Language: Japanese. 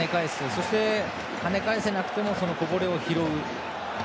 そして、跳ね返せなくてもこぼれを拾う。